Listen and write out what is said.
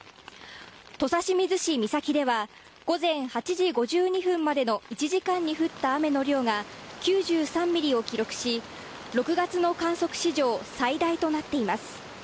土佐清水市三崎では午前８時５２分までの１時間に降った雨の量が９３ｍｍを記録し６月の観測史上最大となっています。